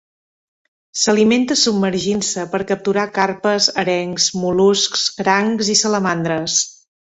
S'alimenta submergint-se per capturar carpes, arengs, mol·luscs, crancs i salamandres.